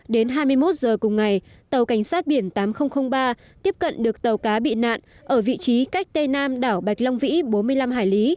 đến hai mươi một giờ cùng ngày tàu cảnh sát biển tám nghìn ba tiếp cận được tàu cá bị nạn ở vị trí cách tây nam đảo bạch long vĩ bốn mươi năm hải lý